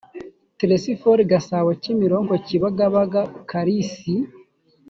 t lesphore gasabo kimironko kibagabaga kalisi